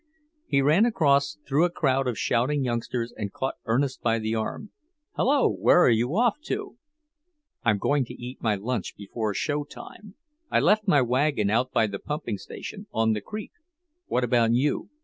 He ran across, through a crowd of shouting youngsters, and caught Ernest by the arm. "Hello, where are you off to?" "I'm going to eat my lunch before show time. I left my wagon out by the pumping station, on the creek. What about you?"